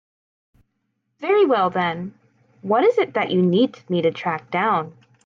Very well then, what is it that you need me to track down?